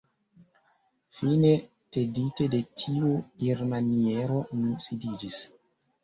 Fine, tedite de tiu irmaniero, mi sidiĝis.